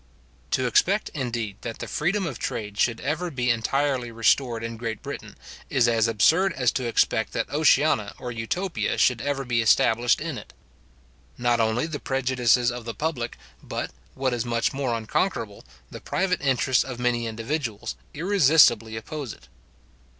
To expect, indeed, that the freedom of trade should ever be entirely restored in Great Britain, is as absurd as to expect that an Oceana or Utopia should ever be established in it. Not only the prejudices of the public, but, what is much more unconquerable, the private interests of many individuals, irresistibly oppose it.